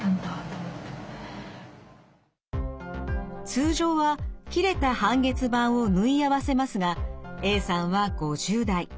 通常は切れた半月板を縫い合わせますがＡさんは５０代。